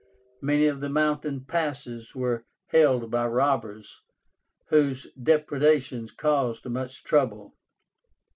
Many of the mountain passes were held by robbers, whose depredations caused much trouble.